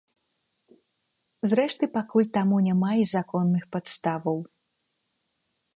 Зрэшты, пакуль таму няма й законных падставаў.